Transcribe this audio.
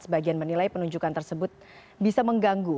sebagian menilai penunjukan tersebut bisa mengganggu